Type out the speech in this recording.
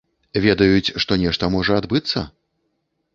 Ведаюць, што нешта можа адбыцца?